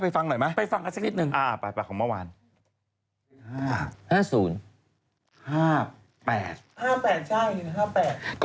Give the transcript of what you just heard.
ไปฟังมากเป็นเร็ก๕กับเร็ก๘